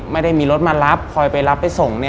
ไม่ได้มีรถมารับคอยไปรับไปส่ง